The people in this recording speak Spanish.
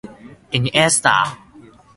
pueden ser poco saludables y no funcionan a largo